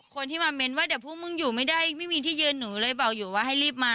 คนที่มาเม้นว่าเดี๋ยวพวกมึงอยู่ไม่ได้ไม่มีที่ยืนหนูเลยบอกอยู่ว่าให้รีบมา